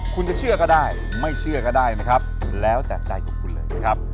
คุณจะเชื่อก็ได้ไม่เชื่อก็ได้นะครับแล้วแต่ใจของคุณเลยนะครับ